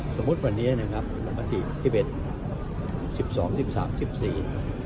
สมมุติวันนี้นะครับลงมติสิบเอ็ดสิบสองสิบสามสิบสี่